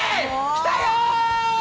来たよ！